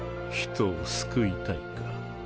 人を救いたいか？